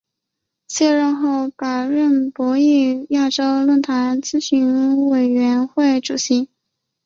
卸任后改任博鳌亚洲论坛咨询委员会主席。